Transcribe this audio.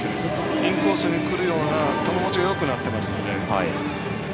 インコースにくるような球もちがよくなってますので。